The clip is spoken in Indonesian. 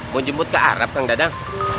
mau jemput ke arab kang dadang